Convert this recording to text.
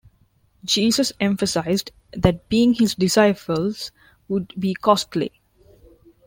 Jesus emphasised that being his disciples would be costly.